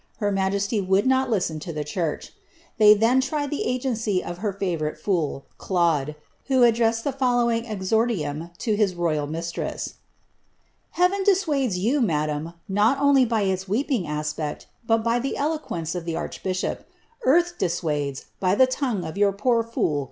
Her majesty would noi listen to llie church. Thejt then tried the agency of her favourite fool. Clod, who addressed ihe following exordium to his royal mistress:— "Heaven dissuades you, madam, not only by its weeping aspect, but by the eloquence of the archbishop; earth dissuades, by the tongue of your poor fool.